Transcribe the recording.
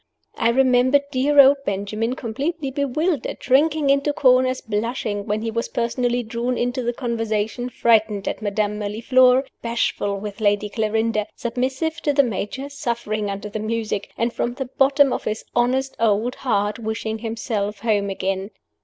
I remember dear old Benjamin, completely bewildered, shrinking into corners, blushing when he was personally drawn into the conversation, frightened at Madame Mirliflore, bashful with Lady Clarinda, submissive to the Major, suffering under the music, and from the bottom of his honest old heart wishing himself home again.